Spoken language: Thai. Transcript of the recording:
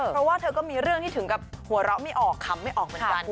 เพราะว่าเธอก็มีเรื่องที่ถึงกับหัวเราะไม่ออกคำไม่ออกเหมือนกัน